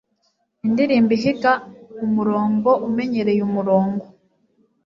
Indirimbo ihiga umurongo umenyereye umurongo